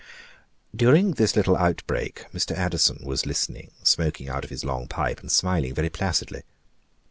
During this little outbreak, Mr. Addison was listening, smoking out of his long pipe, and smiling very placidly.